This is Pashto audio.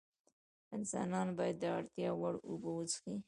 انسان باید د اړتیا وړ اوبه وڅښي